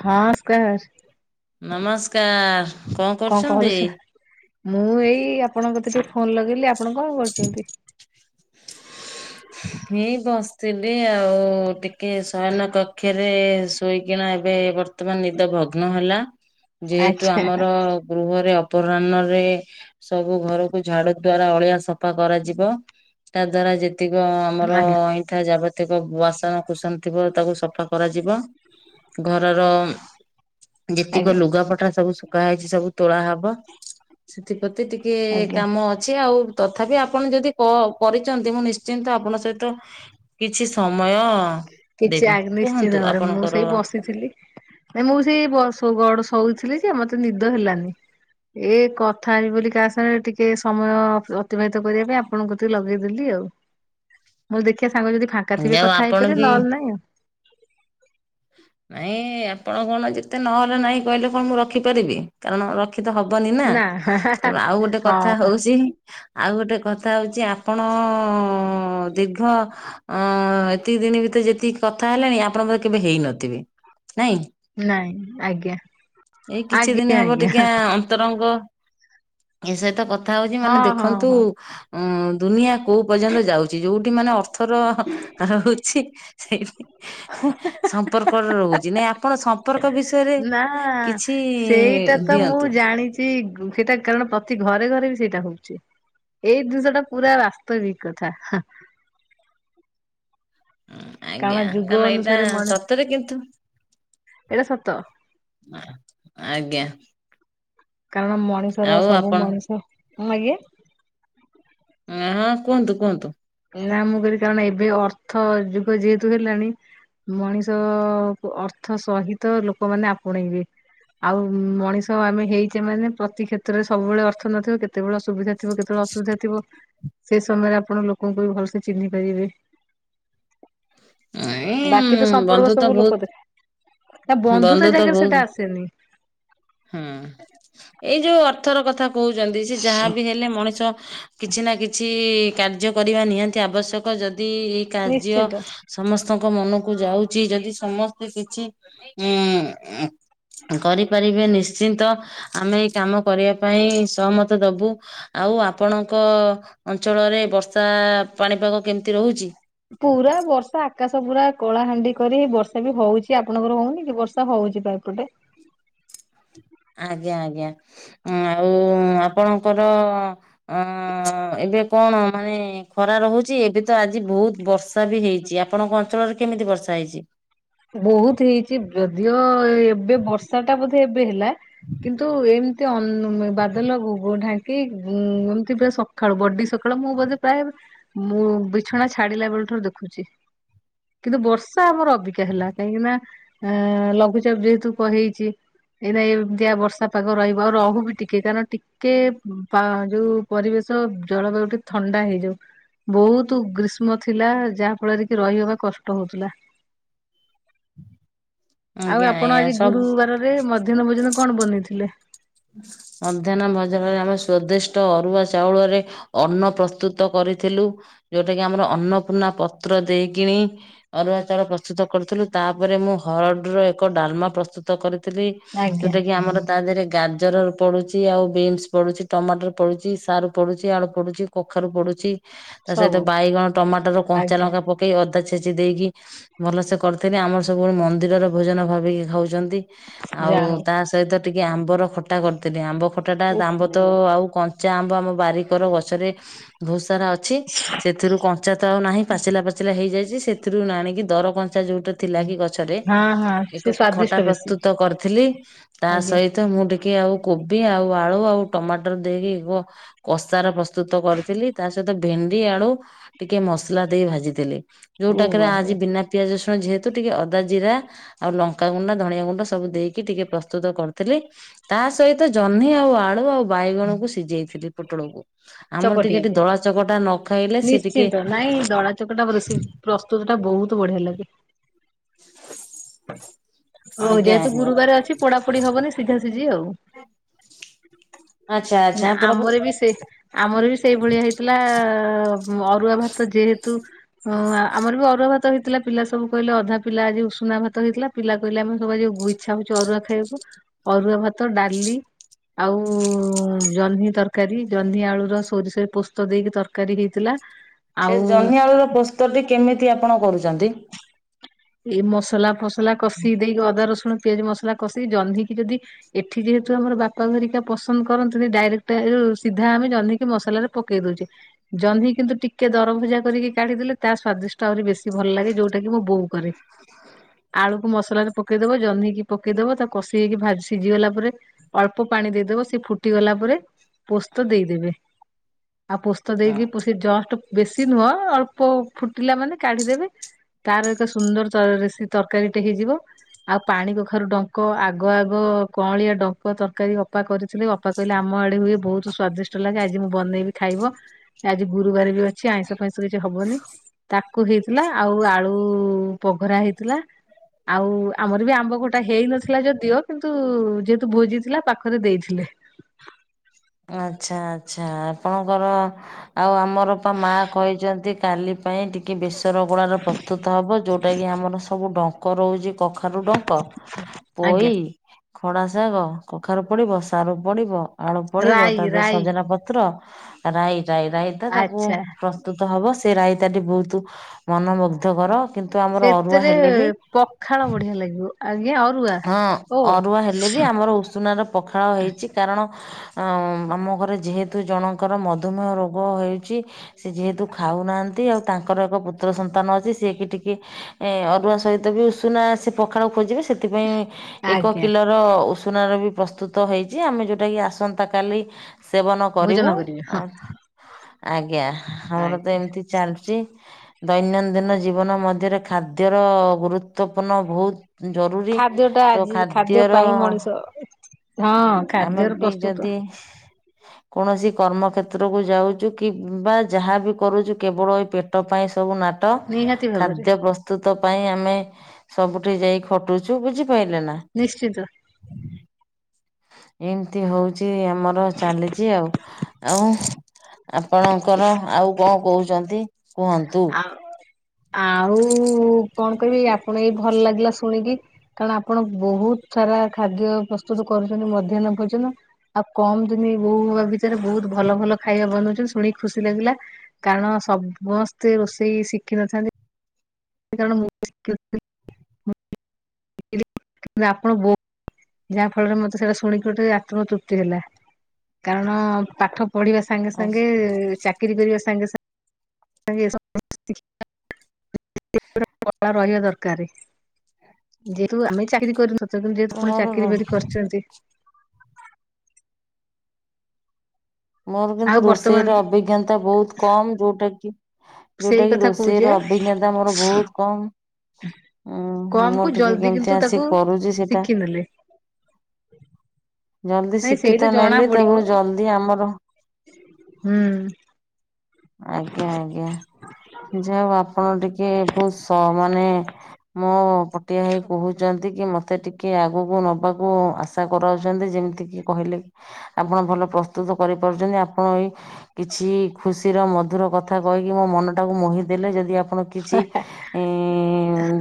ହଁ [unintelligible] ନମସ୍କାର। କଣ କରୁଛ ମୁଁ ଏଇ ଆପଣ କତେ ଟିକେ ଫୋନ ଲଗେଇଲି ଆପଣ କଣ କରୁଛନ୍ତି। ହଇଁ ବସିଥିଲି ଆଉ ଟିକେ ଶୟନ କକ୍ଷରେ। ଶୋଇକିନା ଏବେ ବର୍ତ୍ତମାନ ନିଦ ଭଗ୍ନ ହେଲା ଯେହେତୁ ଆଜ୍ଞା ଆମର। ଗୃହରେ ଅପରାହ୍ନରେ ସବୁ ଘରକୁ ଝାଡୁ ଦ୍ଵାରା ଅଳିଆ ସ ଧ କରାଯିବ। ତା ଦ୍ଵାରା ଯେତିକ ଆମର ଆଜ୍ଞା ଅଇଁଠା ଯାବ କେତେକ ବାସନ କୁସନ ଥିବ ତାକୁ ସଫା କରାଯିବ। ଘରର ଯେତିକ ଆଜ୍ଞା ଲୁଗାପଟା ସବୁ କରା ହେଇଚି ସବୁ ତୋଳା ହବ, ସେଥିପ୍ରତି ଟିକେ ଆଜ୍ଞା କାମ ଛି ଆଉ ତଥାପି ଆପଣ ଯଦି କ କରିଚନ୍ତି ମୁଁ ନିଶ୍ଚିନ୍ତ ଆପଣଙ୍କ ସହିତ କିଛି ସମୟ ଦେବି କୁହନ୍ତୁ ଆପଣଙ୍କର ଫ୍ରି ଥିଲି। ମୁଁ ସେଇ ବ ସ ଗଡ ଶୋଉଥିଲି ଯେ ମତେ ନିଦ ହେଲାନି। ଏ କଥା ହେବି ବୋଲି କାହା ସାଙ୍ଗରେ ଟିକେ ସମୟ ଅ ଅତିବାହିତ କରିବା ପାଇଁ ଆପଣଙ୍କ ଗତି କୁ ଲଗେଇଦେଲି ଆଉ। [unintelligible] ମୁଁ ଦେଖିବା ସାଙ୍ଗ ଯଦି ଫାଙ୍କାଥିବେ ଆଉ କଥା ଆପଣ ହେଇପାରିବ ବି ନଲେ ନାଇଁ ଆଉ। ନାଇଁ ଆପଣ କଣ ଯେତେ ନହେଲେ ନାଇଁ କହିଲେ କଣ ମୁଁ ରଖିପାରିବି କାରଣ ରଖିତ ହବନି ନା। ତେଣୁ ଆଉ ଗୋଟେ କଥା ହଁ। ହଉଚି ଆଉ ଗୋଟେ କଥା ହଉଚି ଆପଣ ଦୀର୍ଘ ଅ ଏତିକି ଦିନ ଭିତରେ ଯେତିକି କଥା ହେଲାଣି ଆପଣଙ୍କର କେବେ ହେଇନଥିବେ ନାଇଁ। ନାଇଁ ଆଜ୍ଞା ଏଇ କିଛି ଆଜ୍ଞା ଦିନ ହବ ଆଜ୍ଞା ଟିକେ ତରଙ୍ଗ ଏ ସହିତ କଥା ହଉଚି ହଁ ମାନେ ହଁ ଦେଖନ୍ତୁ ହଁ। ଅ ଦୁନିଆ କୋଉ ପର୍ଯ୍ୟନ୍ତ ଯାଉଚି ଯୋଉଠି ମାନେ ଅର୍ଥର ରହୁଚି ସେଇଠି ହଁ। ସମ୍ପର୍କରେ ରହୁଚି ନାଇଁ ଆପଣ ସମ୍ପର୍କ ବିଷ ନା ସେଇଟା ତ ମୁଁ ଦିଅନ୍ତୁ। ଜାଣିଚି। ଚି ସେଇଟା କାରଣ ପ୍ରତି ଘରେ ଘରେ ବି ସେଇଟା ହଉଚି। ଏଇ ଜିନିଷ ଟା ପୁରା ବାସ୍ତବିକ କଥା। ହାଁ। ଆଜ୍ଞା ଯୁଗ କାରଣ ଏଇଟା ଅନୁସାରେ ମଣି ସତରେ କିନ୍ତୁ ଏଇଟା ସତ ଆଜ୍ଞା। କାରଣ ମଣିଷର ଆଉ ସବୁ ଆପଣ ମଣିଷ କଣ ଆଜ୍ଞା? ହଁ କୁହନ୍ତୁ କୁହନ୍ତୁ। ନା ମୁଁ କଇଲି କାରଣ ଏବେ ଅର୍ଥ ଯୁଗ ଯେହେତୁ ହେଲାଣି ମଣିଷ ଅର୍ଥ ସହିତ ଲୋକମାନୋନ ଆପଣେଇବେ। ଆଉ ମଣିଷ ଆମେ ହେଇଚେ ମାନେ ପ୍ରତି କ୍ଷେତ୍ରରେ ସବୁବେଳେ ଅର୍ଥ ନଥିବ କେତେବେଳେ ଅସୁବିଧା ଥିବ କେତେବେଳେ ଅସୁବିଧା ଥିବ। ସେଇ ସମୟରେ ଆପଣ ଲୋକଙ୍କୁ ବି ଭଲସେ ଚିହ୍ନି ପାରିବେ। ଏଇ ବାକି ତ ସମ୍ପର୍କ ବନ୍ଧୁ ତ ସବୁ ଲୋକ ବହୁତ ଦେଖ, ନା ବନ୍ଧୁତା ବନ୍ଧୁ ତ ଜାଗାରେ ବହୁତ ସେଇଟା ଆସେନି। ହୁଁ। ଏଇ ଯୋଉ ଅର୍ଥର କଥା କହୁଛନ୍ତି ସେ ଯାହା ବିି ହେଲେ ମଣିଷ କିଛି ନା କିଛି କାର୍ଯ୍ୟ କରିବା ନିହାତି ଆବଶ୍ୟକ। ଯଦି ଏଇ କାର୍ଯ୍ୟ ନିଶ୍ଚିନ୍ତ। ସମସ୍ତଙ୍କ ମନକୁ ଯାଉଚି ଯଦି ସମସ୍ତେ କିଛି ଉ କରିପାରିବେ, ନିଶ୍ଚିନ୍ତ ଆମେ ଏଇ କାମ କରିବା ପାଇଁ ସହମତ ଦବୁ। ଆଉ ଆପଣଙ୍କ ଅଞ୍ଚଳରେ ବର୍ଷା ପାଣିପାଗ କେମିତି ରହୁଚି? ପୁରା ବର୍ଷା ଆକାଶ ପୁରା କଳାହାଣ୍ଡି କରି ବର୍ଷା ବି ହଉଚି ଆପଣଙ୍କର ହଉନି କି ବର୍ଷା? ର୍ଷା ହଉଚି ପା ଏପଟେ। ଆଜ୍ଞା ଆଜ୍ଞା ଆଉ ଆପଣଙ୍କର ଅ ଏବେ କଣ ମାନେ ଖରା ରହୁଚି, ଏବେ ତ ଆଜି ବହୁତ ବର୍ଷା ର୍ଷା ବି ହେଇଚି ଆପଣଙ୍କ ଅଞ୍ଚଳରେ କେମିତି ବର୍ଷା ହେଇଚି? ବହୁତ ହେଇଚି ଯଦିଓ ଏବେ ବର୍ଷା ଟା ବୋଧ ଏବେ ହେଲା। କିନ୍ତୁ ଏମ୍ ଏତେ ଅନ୍ ବାଦଲ ଗ ଢାଙ୍କି ଗଁ, ଏମିତି ସକାଳୁ ବଡି ସକାଳୁ ମୁଁ ବଧେ ପ୍ରାୟ ମୁଁ, ବିଛଣା ଛାଡିଲା ବେଳଠାରୁ ଦେଖୁଛି। କିନ୍ତୁ ବର୍ଷା ଆମର ଅବିକା ଯେ ହେଲା କାହିଁକି ନା ଆ ଲଘୁଚାପ ଯେହେତୁ କହେଇଛି। ଏଇ ନାଇଁ ଏମତିଆ ବର୍ଷା ପାଗ ରହିବ। ଆଉ ରହୁିବି ଟିକେ କାରଣ ଟିକ୍ କେ ପା ଯୋଉ ପରିବେଶ ଜଳବାୟୁ ଟିକେ ଥଣ୍ଡା ହେଇଯାଉ। ବହୁତ ଗ୍ରୀଷ୍ମ ଥିଲା, ଯାହା ଫଳରେ କି ରହିହବା କଷ୍ଟ ହଉଥିଲା। ଆଉ ଆଜ୍ଞା ଆପଣ ଆଜ୍ଞା ଆଜି ସବୁ ଗୁରୁବାରରେ, ମଧ୍ୟାହ୍ନ ଭୋଜନ କଣ ବନେଇଥିଲେ? ମଧ୍ୟାହ୍ନ ଭଜାରରେ, ଆମେ ସ୍ଵଦିଷ୍ଟ ଅରୁଆ ଚାଉଳରେ ଅନ୍ନ ପ୍ରସ୍ତୁତ କରିଥିଲୁ। ଯୋଉଟା କି ଆମର ଅନ୍ନପୂର୍ଣ୍ଣା ପତ୍ର ଦେଇକିିଣି ଅରୁଆ ଚାଉଳ ପ୍ରସ୍ତୁତ କରୁଥିଲୁ। ତା'ପରେ ମୁଁ ହରଡ଼ ର ଏକ ଡାଲମା ପ୍ରସ୍ତୁତ ତ କରିଥିଲି ଆଜ୍ଞା ଯୋଉଟା କି ଆମର ତା ଦେହରେ ଗାଦ୍ ଜର ପଡୁଛି, ଆଉ ବିନ୍ସ ପଡୁଛି, ଟମାଟର ପଡୁଛି, ସାରୁ ପଡୁଛି, ଆଳୁ ପଡ଼ୁଛି, କଖାରୁ ପଡ଼ୁଛି, ତା' ସହିତ ସବୁ ବାଇଗଣ, ଟମାଟର, କଞ୍ଚା ଆଜ୍ଞା ଲଙ୍କା ପକ୍ କେହି ଅଦା ଛେଚି ଦେଇକି ଭଲସେ, କରିଥିନି ଆମର ସବୁବେଳେ ମନ୍ଦିରର ଭୋଜନ ଭାବିକି ଖାଉଛନ୍ତି। ଆଉ ଯାହା ହଉ ତା ସହିତ, ଟିକେ ଆମ୍ବର ଖଟା କରିଥିଲି। ଆମ୍ବ ଖଟା ଟା ଆମ୍ବ ଓହୋ ତ ଆଉ କନ୍ ଞ୍ଚା ଆମ୍ବ ଆମ ବାରିକର ଗଛରେ ବହୁତ ସାରା ଅଛି। ସେ ଏଥିରୁ କଞ୍ଚା ତ ଆଉ ନାହିଁ, ପାଚିଲା ପାଚିଲା ହେଇଯାଇଛି। ସେଥିରୁ ଆଣିକି ଦର କଞ୍ଚା ଯୋଉଟା ଥିଲା କି ଗଛରେ, ହଁ ହଁ ସେ ଏକ ସ୍ଵାଦିଷ୍ଟ ଖଟା ବେଶୀ ପ୍ରସ୍ତୁତ କରିଥିଲି। ତା, ଆଜ୍ଞା ସହିତ ମୁଁ ଟିକ୍ କେ ଆଉ କୋବି, ଆଉ ଆଳୁ, ଆଉ ଟମାଟର ଦେଇକି କ କଷାର ପ୍ରସ୍ତୁତ କରିଥିଲି। ତା ସହିତ ଭେଣ୍ଡି, ଆଳୁ ଟିକେ ମସଲା ଦେଇ ଭାଜି ଥିଲି। ଓ ଯୋଉଟା କେରେ ବା ଆଜି ବିନା ପିଆଜ, ରସୁଣ ଯେହେତୁ ଟିକେ ଅଦା, ଜିରା ଆଉ ଲଙ୍କାଗୁଣ୍ଡା, ଧଣିଆ ଗୁଣ୍ଡ ସବୁ ଦେଇକି ଟିକେ ପ୍ରସ୍ତୁତ କରିଥିଲି। ତା ସହିତ ଜହ୍ନି ଆଉ, ଆଳୁ ଆଉ, ବାଇଗଣକୁ ସିଝେଇଥିଲି। ପୋଟଳକୁ। ଆମର ଟିକେ ଚକଟିବା ଟିକେ ପାଇଁ ଦଳା ଚକଟା ନ ଖାଇଲେ, ସେ ଟିକେ ନିଶ୍ଚିନ୍ତ ନାଇଁ ଦଳା ଚକଟା ରୋଷେଇ ପ୍ରସ୍ତୁତ ଟା ବହୁତ ବଢ଼ିଆ ଲାଗେ। ହଉ ଆଜ୍ଞା ଯେହେତୁ ଆଜ୍ଞା ଗୁରୁବାର ଅଛି, ପୋଡାପୋଡିି ହବନି ସିଝା ସିଝି ଆଉ! ଆଚ୍ଛା ଆଚ୍ଛା ନା, ଆପଣ ଆମର ବି ସେ ଆମର ବି ସେଇଭଳିଆ ହେଇଥିଲା-ଆ ଅରୁଆ ଭାତ ଯେହେତୁ ହଁ, ଆମର ବି ଅରୁଆ ଭାତ ହେଇଥିଲା, ପିଲା ସବୁ କହିଲେ ଅଧା ପିଲା ଆଜି ଉଷୁନା ଭାତ ହେଇଥିଲା, ପିଲା କହିଲେ ଆମେ ସବୁ ବହୁ ଇଛା ହଉଛି, ଅରୁଆ ଖାଇବାକୁ। ଅରୁଆ ଭାତ, ଡାଲି ଆଉ-ଉଁ ଜହ୍ନି ତରକାରୀ, ଜହ୍ନି ଆଳୁର ର ସୋରିଷ ରେ ପୋସ୍ତ ଦେଇକି ତରକାରୀ ହେଇଥିଲା। ସେ ଆଉ ଜହ୍ନି ଆଳୁ ର ପୋସ୍ତଟି କେମିତି ଆପଣ କରୁଚନ୍ତି? ଏଇ ମସଲା ଫସଲା କଷି ଦେଇକି ଅଦା, ରସୁଣ, ପିଆଜ ମସଲା କଷି, ଜହ୍ନିକି ଯଦି ଏଠି ଯେହେତୁ ଆମର ବାପା ଘରିକା ପସନ୍ଦ କରନ୍ତିନି, ଡାଇରେକ୍ଟ ରୁ ସିଧା ଆମେ ଜହ୍ନିକି ମସଲାରେ ପକେଇ ଦଉଛି। ଜହ୍ନି କିନ୍ତୁ ଟିକେ ଦରଭଜା କରିକି କାଢି ଦେଲେ, ତା ସ୍ଵାଦିଷ୍ଟ ଆହୁରି ବେଶୀ ଭଲ ଲାଗେ, ଯୋଉଟା କି ମୋ ବୋଉ କରେ। ଆଳୁକୁ ମସଲାରେ ପକେଇଦବ, ଜହ୍ନିକି ପକେଇଦବ, ତାକୁ କଷି ହେଇକି ଭା ସିଝିଗଲା ପରେ ଅଳ୍ପ ପାଣି ଦେଇଦବ, ସେ ଫୁଟି ଗଲା ପରେ ପୋସ୍ତ ଦେଇଦେବେ। ଆଉ ପୋସ୍ତ ଦେଇ କି ପ ସେ ଜଷ୍ଟ ବେଶୀ ନୁହଁ, ଅଳ୍ପ ଫୁଟିଲା ମାନେ କାଢିଦେବେ। ତାର ତ ସୁନ୍ଦରରେ ତରରେ, ସେ ତରକାରୀ ଟେ ହେଇଯିବ। ଆଉ ପାଣି କଖାରୁ ଡଙ୍କ, ଆଗ ଆଗ କଅଁଳିଆ ଡଙ୍କ ତରକାରୀ ଅପା କରିଥିଲେ, ଅପା କହିଲେ ଆମ ଆଡେ ହୁଏ ବୋହୁତ ସ୍ଵାଦିଷ୍ଟ ଲାଗେ ଆଜି ମୁଁ ବନେଇବି ଖାଇବ। ଆଜି ଗୁରୁବାର ବି ଅଛି ଆଇଁଷ ଫାଇଁଷ କିଛି ହବନି ତାକୁ ହେଇଥିଲା ଆଉ ଆଳୁ ଉ ପଘରା ହେଇଥିଲା ଆଉ ଆମର ବି ଆମ୍ବ ଖଟା ହେଇନଥିଲା ଯଦିଓ କିନ୍ତୁ ଯେହେତୁ ଭୋଜି ଥିଲା ପାଖରେ ଦେଇଥିଲେ। ଆଚ୍ଛା ଆଚ୍ଛା ଆପଣଙ୍କର ଆଉ ଆମର ତ ମା କହିଚନ୍ତି କାଲି ପାଇଁ ଟିକେ ବେସର ଗୋଳାର ପ୍ରସ୍ତୁତ ହବ ଯେଉଟା କିି ଆମର ସବୁ ଡଙ୍କ ରହୁଚି କଖାରୁୁ ଡଙ୍କ, ପୋଇ ଆଜ୍ଞା ଖଡା ଶାଗ, କଖାରୁ ପଡିବ, ସାରୁ ପଡିବ, ଆଳୁ ପଡିବ ରାଇ ତା ଦେହରେ ରାଇ ସଜନା ପତ୍ର ରାଇ ରାଇ ରାଇତା ତାକୁ ଆଚ୍ଛା ପ୍ରସ୍ ସ୍ତୁତ ହବ ସେ ରାଇତାଟି ବୋହୁତୁ ମନମୁଗ୍ଧ କର କିନ୍ତୁ ଆମର ଅରୁଆ ସେଥିରେ ହେଲେ ବି ପଖାଳ ବଢିଆ ଲାଗିବ ଆଜ୍ଞା ଅରୁଆ ହଁ। ଓ ଅରୁଆ ହେଲେ ବି ଆମର ଉଷୁନାର ପଖାଳ ହେଇଚି କାରଣ ଅ ଆମ ଘରେ ଯେହେତୁ ଜଣଙ୍କର ମଧୁମେହ ରୋଗ ହେଇଚି ସେ ଯେହେତୁ ଖାଉନାହାନ୍ତି ଆଉ ତାଙ୍କର ଏକ ପୁତ୍ର ସନ୍ତାନ ଅଛି ସିଏ କି ଟିକେ ଏ ଅରୁଆ ସହିତ ବି ଉଷୁନା ସେ ପଖାଳ ଖୋଜିବେ ସେ ସେଥିପାଇଁ ଏକ ଆଜ୍ଞା କିଲର ଉଷୁନାର ବି ପ୍ରସ୍ତୁତ ହେଇଚି ଆମେ ଯୋଉଟାକି ଆସନ୍ତା କାଲି ସେବନ କରିବୁ ଭୋଜନ କରିବେ ହଁ ଆଉ ଆଜ୍ଞା ଆମର ତ ଆଜ୍ଞା। ଏମତି ଚାଲୁଚି। ଦୈନନ୍ଦିନ ଜୀବନ ମଧ୍ୟରେ ଖାଦ୍ୟର ଗୁରୁତ୍ୱପୂର୍ଣ୍ଣ ଭୋଉ ଜରୁରୀ ଖାଦ୍ୟ ଟା ତ ଆଜି ଖାଦ୍ୟ ଖାଦ୍ୟର ପାଇଁ ମଣିଷ ହଁ ଆମେ ଖାଦ୍ୟର ବି ପ୍ରସ୍ତୁତ ଯଦି କୌଣସି କର୍ମକ୍ଷେତ୍ରକୁ ଯାଉଚୁ କିମ୍ବା ଯାହା ବି କରୁଚୁ କେବଳ ଏଇ ପେଟ ପାଇଁ ସବୁ ନା ଟ ନିହାତି ଭାବରେ ଖାଦ୍ୟ ପ୍ରସ୍ ତୁତ ପାଇଁ ଆମେ ସବୁଠି ଯାଇ ଖଟୁଚୁ ବୁଝିପାଇଲେ ନା। ନିଶ୍ଚିତ। ଏମତି ହୋଉଚି ଆମର ଚାଲିଚି ଆଉ ଆଉ ଆପଣଙ୍କର ଆଉ କଣ କହୁଚନ୍ତି? ଆଉ ଆଉ କଣ କହିବି ଆପଣ ଏଇ ଭଲ ଲାଗିଲା ଶୁଣିକି। କାରଣ ଆପଣ ବୋହୁତ ସାରା ଖାଦ୍ୟ ପ୍ରସ୍ତୁତ କରୁଚନ୍ତି ମଧ୍ୟାନ ଭୋଜନ। ଆଉ କମ ଦିନି ବୋହୁ ହବା ଭିତରେ ବୋହୁତ ଭଲ ଭଲ ଖାଇବା ବନୋଉଚନ୍ତି ଶୁଣିକି ଖୁସି ଲାଗିଲା। କାରଣ ସମସ୍ତେ ରୋଷେଇ ଶିଖିନଥାନ୍ତି। କାରଣ [unintelligible] ଆପଣ ବୋ ଯାହା ଫଳରେ ମତେ ସେଟା ଶୁଣିକି ଗୋଟେ ଆତ୍ମ ତୃପ୍ତି ହେଲା କାରଣ ପାଠ ପଢିବା ସାଙ୍ଗେ ସାଙ୍ଗେ ଚାକିରି କରିବା ସାଙ୍ଗେ ସା [inaudible] କଳା ରହିବା ଦରକାରେ ଯେହେତୁ ଆମେ ଚାକିରୀ କରିନୁ। ତେଣୁ ଯେହେତୁ ଆପଣ ଚାକିରି ମୋର ବାକରି କରିଚନ୍ତି। ମୋର ଆଉ କିନ୍ତୁ ବର୍ତ୍ତମାନ ରୋଷେଇର ଅଭିଜ୍ଞତା ବୋହୁତ କମ ଯୋଉଟା କି ଯୋଉଟା ସେଇ କିି କଥା କହୁଛେ ରୋଷେଇର ଅଭିଜ୍ଞତା ମୋର ବୋହୁତ କମ୍। ଉଁ ହୁଁ କମ ମୁଁ କୁ ଟିକେ ଜଲଦି କିନ୍ତୁ କେମତି ଆସି ତାକୁ କରୁଚି ସେଇଟା। ଶିଖିନେଲେ ଜଲଦି ନାଇଁ ସେଇଟା ଶିକ୍ଷିତ ଜଣା ନେଲେ ପଡିବ ତାପରେ ଜଲଦି ଆମର ହୁଁ। ଆଜ୍ଞା ଆଜ୍ଞା ଯାଉ ଆପଣ ଟିକେ ବୋହୁତ ସ ମାନେ ମୋ ପଟିଆ ହେଇ କହୁଚନ୍ତି କି ମତେ ଟିକେ ଆଗକୁ ନବାକୁ ଆଶା କରାଉଚନ୍ତି ଯେମିତିକି କହିଲେ ଆପଣ ଭଲ ପ୍ରସ୍ତୁତ କରିପାରୁଚନ୍ତି ଆପଣ ଏଇ କିଛି ଖୁସି ଖୁସିର ମଧୁର କଥା କହିକି ମୋ ମନଟାକୁ ମୋହି ଦେଲେ ଯଦି ଆପଣ କିଛି ଇ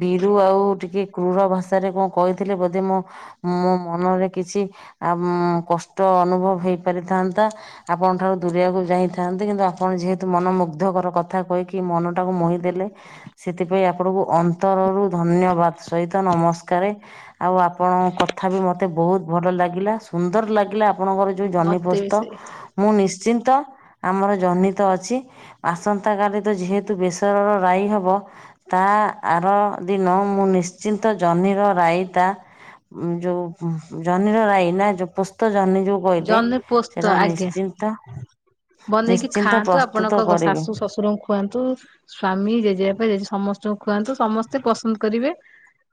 ବିରୁ ଆଉ ଟିକେ କ୍ରୁର ଭାଷାରେ କଣ କହିଥିଲେ ବୋଧେ ମୋ ମୋ ମନରେ କିଛି ଆ କଷ୍ଟ ଅନୁଭବ ହେଇପାରିଥାନ୍ତା। ଆପଣଙ୍କ ଠାରୁ ଦୂରେଇବାକୁ ଯାଇଥାନ୍ତି କିନ୍ତୁ ଆପଣ ଯେହେତୁ ମନମୁଗ୍ଧକର କଥା କହିକି ମନଟାକୁ ମୋହି ଦେଲେ ସେଥିପାଇଁ ଆପଣଙ୍କୁ ଅନ୍ତରରୁ ଧନ୍ୟବାଦ ସହିତ ନମସ୍କାର। ଆଉ ଆପଣଙ୍କ କଥା ବି ମତେ ବହୁତ ଭଲ ଲାଗିଲା ସୁନ୍ଦର ଲାଗିଲା ଆପଣଙ୍କର ଯୋଉ ମତେ ବି ଜହ୍ନିପୋସ୍ତ ସେ ମୁଁ ନିଶ୍ଚିନ୍ତ ଆମର ଜହ୍ନି ଅଛି ଆସନ୍ତାକାଲି ତ ଯେହେତୁ ବେସରର ରାଇ ହବ ତା ଆର ଦିନ ମୁଁ ନିଶ୍ଚିନ୍ତ ଜହ୍ନିର ରାଇତା ଯୋଉ ଜହ୍ନିର ରାଇ ନା ଯୋଉ ପୁସ୍ତ ଜହ୍ନି ଯୋଉ କହିଲେ ଜହ୍ନି ପୋସ୍ତ ସେଟା ଆଜ୍ଞା ନିଶ୍ଚିନ୍ତ ନିଶ୍ଚିନ୍ତ ପ୍ରସ୍ତୁତ କରିବେ। ଶଶୁରଙ୍କୁ ଖୁଆନ୍ତୁ ସ୍ଵାମୀ ଜେଜେବାପା ଜେଜେମା ସମସ୍ତଙ୍କୁ ଖୁଆନ୍ତୁ ସମସ୍ତେ ପସନ୍ଦ କରିବେ।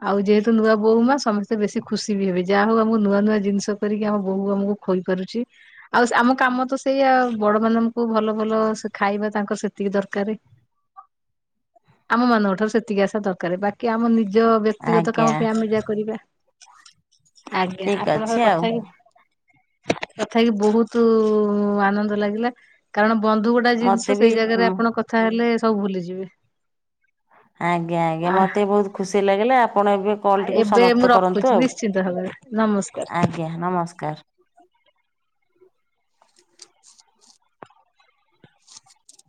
ଆଉ ଯେହେତୁ ନୂଆ ବୋହୁ ମା ସମସ୍ତେ ବେଶୀ ଖୁସି ବି ହେବେ ଯାହା ହଉ ଆମ ନୂଆ ନୂଆ ଜିନିଷ କରିକି ଆମ ବୋହୁ ଆମକୁ ଖୋଇପାରୁଛି। ଆଉ ଆମ କାମ ତ ସେଇଆ ବଡ ମାନଙ୍କୁ ଭଲ ଭଲ ଖାଇବା ତାଙ୍କର ସେତିକି ଦରକାର। ଆମ ମାନଙ୍କ ଠାରୁ ସେତିକି ଆଶା ଦରକାର ବାକି ଆମ ନିଜ ବ୍ୟକ୍ତିଗତ ଆଜ୍ଞା କାମ ପାଇଁ ଆମେ ଯାହା କରିବା। ଆଜ୍ଞା ଠିକ ଅଛି ଆପଣଙ୍କର ଆଉ କଥା ହେଇକି କଥା ହେଇକିି ବହୁତ ଆନନ୍ଦ ଲାଗିଲା କାରଣ ବନ୍ଧୁ ଗୋଟେ ମତେ ଜିନିଷ ବି ସେଇ ଜାଗାରେ ଆପଣ କଥା ହେଲେ ସବୁ ଭୁଲିଯିବେ। ଆଜ୍ଞା ଆଜ୍ଞା ଆ ମତେ ବହୁତ ଖୁସି ଲାଗିଲା ଆପଣ ଏବେ। କଲଟିକୁୁ ଏବେ ମୁଁ ସମାପ୍ତ ରଖୁଛି କରନ୍ତୁ ଆଉ ନିଶ୍ଚିନ୍ତ ଭାବରେ ନମସ୍କାର। ଆଜ୍ଞା ନମସ୍କାର।